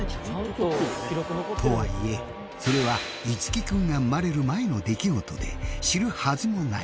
とはいえそれは樹君が生まれる前の出来事で知るはずもない。